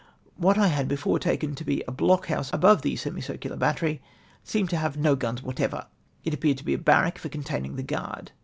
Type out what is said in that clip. What I had before taken to be a block house above the semicircular battery seemed to have no guns whatever; it appeared to be a barrack for containing the guard.